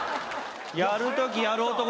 やるときやる男ですよ。